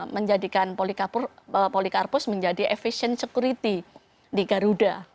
menjadikan polikarpus menjadi efisien security di garuda